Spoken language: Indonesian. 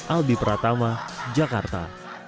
aldi pratama jakarta